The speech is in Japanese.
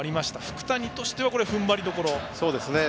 福谷としては踏ん張りどころですね。